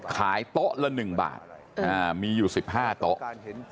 ขายเตาะละ๑บาทมีอยู่๑๕เตาะ